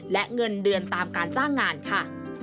และเงินเดือนตามการจ้างงานค่ะ